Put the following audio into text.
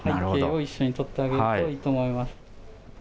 風景を一緒に撮ってあげるといいと思います。